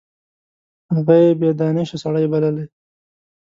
هغه یې بې دانشه سړی بللی.